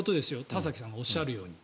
田崎さんがおっしゃるように。